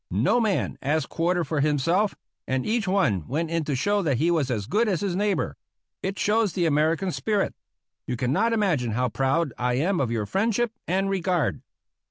No man asked quarter for himself, and each one went in to show that he was as good as his neighbor. It shows the American spirit. You cannot imagine how proud I am of your friendship and regard.